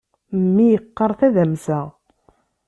Mmi yeqqar tadamsa.